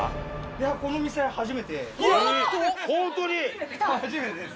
いやこの店おっと初めてです。